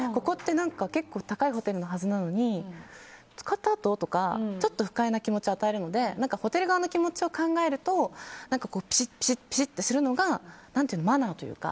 結構高いホテルのはずなのに使ったあと？とか、ちょっと不快な気持ちを与えるのでホテル側の気持ちを考えるとピシッとするのがマナーというか。